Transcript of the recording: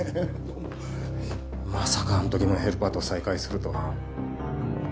まさかあの時のヘルパーと再会するとは。